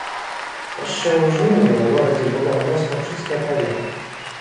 Яшчэ ў жніўні ў горадзе было адносна чыстае паветра.